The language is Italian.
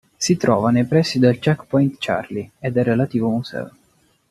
Si trova nei pressi del "Checkpoint Charlie" e del relativo museo.